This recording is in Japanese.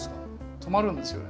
止まるんですよね。